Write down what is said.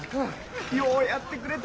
ようやってくれた！